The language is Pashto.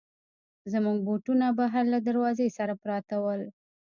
زموږ بوټونه بهر له دروازې سره پراته ول.